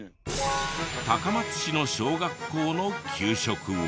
高松市の小学校の給食は。